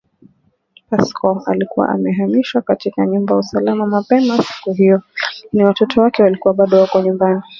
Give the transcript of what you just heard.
Pascoe alikuwa amehamishiwa katika nyumba usalama mapema siku hiyo, lakini watoto wake walikuwa bado wako nyumbani